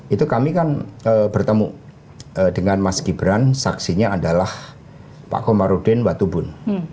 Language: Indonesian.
itu kami kan bertemu dengan mas gibran saksinya adalah pak komarudin watubun